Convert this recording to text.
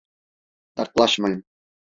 Yaklaşmayın!